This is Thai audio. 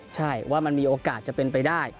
ใช่ว่ามันมีโอกาสจะเป็นไปได้